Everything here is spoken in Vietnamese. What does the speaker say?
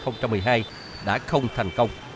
năm hai nghìn một mươi hai đã không thành công